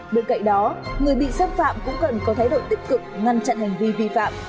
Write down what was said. bên cạnh đó người bị xâm phạm cũng cần có thái độ tích cực ngăn chặn hành vi vi phạm